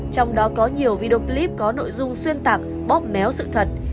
trong đó có nhiều video clip có nội dung xuyên tạc bóp méo sự thật